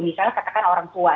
misalnya katakan orang tua